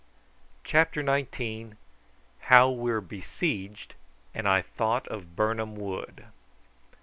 CHAPTER NINETEEN. HOW WE WERE BESIEGED, AND I THOUGHT OF BIRNAM WOOD.